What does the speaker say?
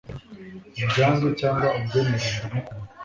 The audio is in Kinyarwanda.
ubyange cyangwa ubyemere ndamukunda